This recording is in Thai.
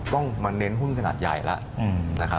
ต้องมาเน้นหุ้นขนาดใหญ่แล้ว